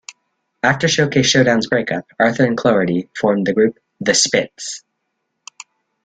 After Showcase Showdown's breakup, Arthur and Cloherty formed the group The Spitzz.